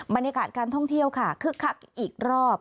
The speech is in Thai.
บรรยากาศการท่องเที่ยวค่ะคึกคักอีกรอบ